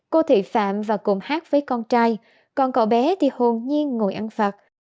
cô thị phạm và cùng hát với con trai còn cậu bé thì hồn nhiên ngồi ăn phạt